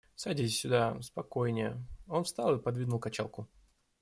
Садитесь сюда, спокойнее... — Он встал и подвинул качалку.